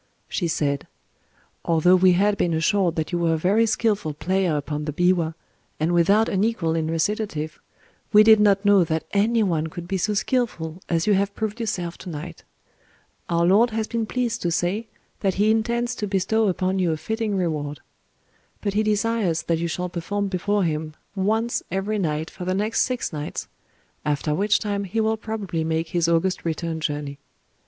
She said:— "Although we had been assured that you were a very skillful player upon the biwa, and without an equal in recitative, we did not know that any one could be so skillful as you have proved yourself to night. Our lord has been pleased to say that he intends to bestow upon you a fitting reward. But he desires that you shall perform before him once every night for the next six nights—after which time he will probably make his august return journey.